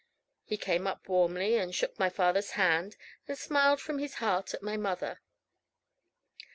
He came up warmly, and shook my father's hand, and smiled from his heart at my mother.